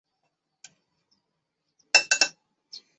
苏茂逃到下邳郡和董宪合流。